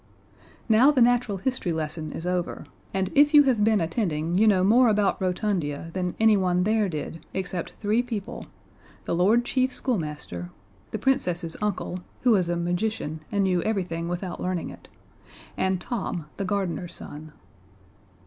Now the natural history lesson is over, and if you have been attending, you know more about Rotundia than anyone there did, except three people: the Lord Chief Schoolmaster, the Princess's uncle who was a magician, and knew everything without learning it and Tom, the gardener's son.